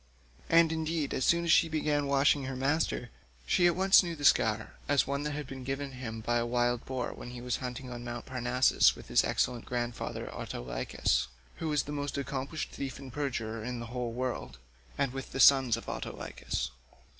And indeed as soon as she began washing her master, she at once knew the scar as one that had been given him by a wild boar when he was hunting on Mt. Parnassus with his excellent grandfather Autolycus—who was the most accomplished thief and perjurer in the whole world—and with the sons of Autolycus.